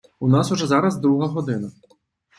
У нас уже зараз друга година.